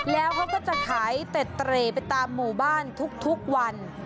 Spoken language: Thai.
แล้วเขาก็จะขายเต็ดเตร่ไปตามหมู่บ้านทุกวัน